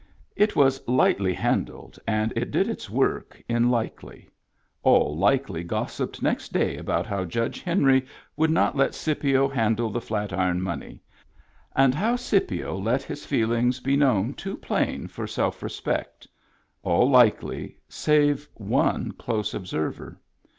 It was lightly handled, and it did its work in Likely. All Likely gossiped next day about how Judge Henry would not let Scipio handle the Flat Iron money, and how Scipio let his feelings be shown too plain for self respect — all Likely, save one close observer.